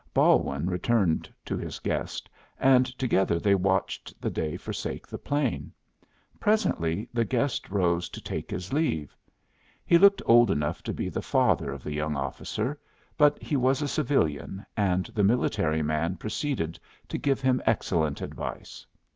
Balwin returned to his guest, and together they watched the day forsake the plain. Presently the guest rose to take his leave. He looked old enough to be the father of the young officer, but he was a civilian, and the military man proceeded to give him excellent advice.